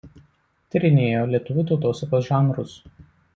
Tyrinėjo lietuvių tautosakos žanrus.